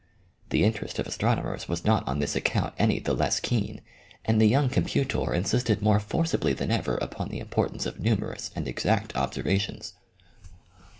The interest of astronomers was not on this account any the less keen, and the young compu ter insisted more forcibly than ever upon the importance of numerous and exact observations.